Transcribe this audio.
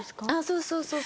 そうそうそう。